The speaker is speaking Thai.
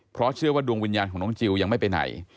เพราะเชื่อว่าดวงวิญญาณของน้องจิลยังไม่ไปไหน